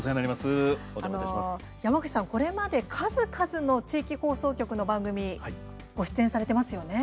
これまで数々の地域放送局の番組ご出演されてますよね。